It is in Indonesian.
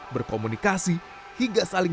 berkomunikasi hingga saling